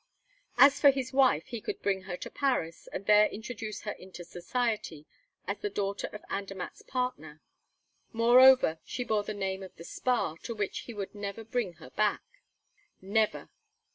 As for his wife, he could bring her to Paris, and there introduce her into society as the daughter of Andermatt's partner. Moreover, she bore the name of the spa, to which he would never bring her back! Never!